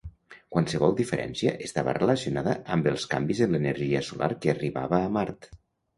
Qualsevol diferència estava relacionada amb els canvis en l'energia solar que arribava a Mart.